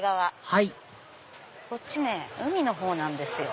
はいこっちね海のほうなんですよ。